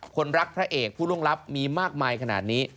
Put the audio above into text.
คนรักพระเอกผู้ล่วงลับมีมากมายขนาดนี้